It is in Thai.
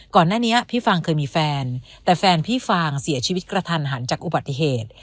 ก่อนหน้านี้พี่ฟางเคยมีแฟนแต่แฟนพี่ฟางเสียชีวิตกระทันหันจากอุบัติเหตุ